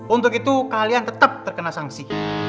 untuk itu kalian tetap terkena sanksi